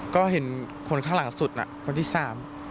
ก็เห็นคนข้างหลังสุดน่ะคนที่สาม